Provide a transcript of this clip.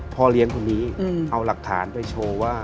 พ่อเลี้ยงคนนี้เอาหลักฐานไปโชว์ว่า